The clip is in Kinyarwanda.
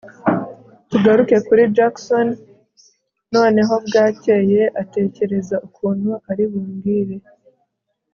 Tugaruke kuri Jackson noneho bwakeye atekereza ukuntu ari bumbwire